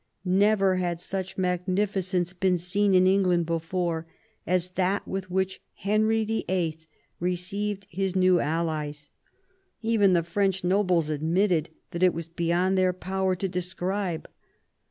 Never had such magnificence been seen in England be fore as that with which Henry VHI. received his new allies. Even the French nobles admitted that it was beyond their power to describe.